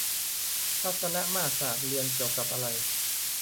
ทัศนมาตรศาสตร์ เรียนเกี่ยวกับอะไร